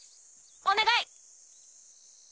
お願い！